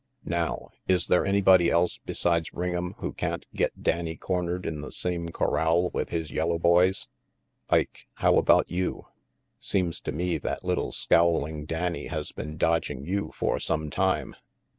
Now, is there anybody else besides Ring'em who can't get Danny cornered in the same corral with his yellow boys? Ike, how about you? Seems to me that little scowling Danny has been dodging you for some time.